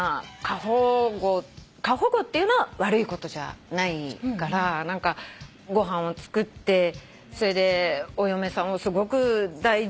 過保護っていうのは悪いことじゃないからご飯を作ってそれでお嫁さんをすごく大事にして。